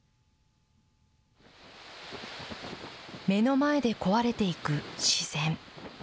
目の前で壊れていく自然。